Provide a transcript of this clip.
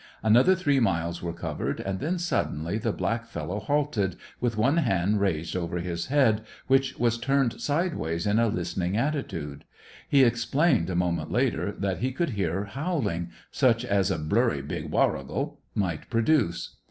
Another three miles were covered, and then, suddenly, the black fellow halted, with one hand raised over his head, which was turned sideways, in a listening attitude. He explained, a moment later, that he could hear howling, such as a "blurry big warrigal" might produce.